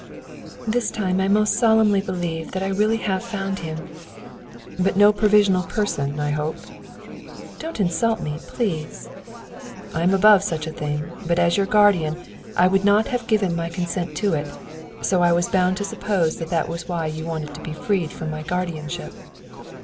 "This time I most solemnly believe that I really have found him." "But no provisional person, I hope?" "Don't insult me, please." "I'm above such a thing. But, as your guardian, I would not have given my consent to it; so I was bound to suppose that that was why you wanted to be freed from my guardianship."